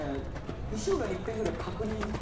１週間にいっぺんぐらい確認のね